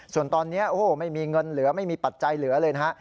ส่วนตอนนี้โอ้โหไม่มีเงินเหลือไม่มีปัจจัยเหลือเลยนะฮะ